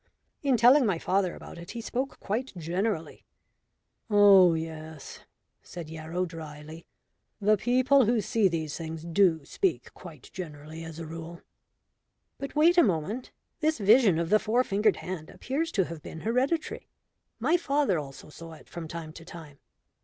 In telling my father about it he spoke quite generally." "Oh, yes," said Yarrow, drily. "The people who see these things do speak quite generally as a rule." "But wait a moment. This vision of the four fingered hand appears to have been hereditary. My father also saw it from time to time.